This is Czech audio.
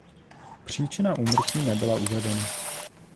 Příčina úmrtí nebyla uvedena.